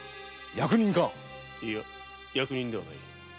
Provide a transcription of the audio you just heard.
役人かいや役人ではない。